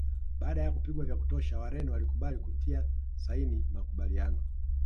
Baada ya kupigwa vya kutosha Wareno walikubali kutia saini makubaliano